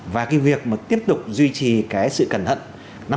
và cái việc mà tiếp tục duy trì cái sự cẩn thận